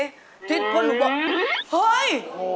ทฤทธิ์พ่นมึงบอกเฮ้ย